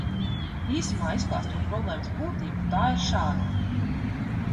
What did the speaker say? Īsumā izklāstot problēmas būtību, tā ir šāda.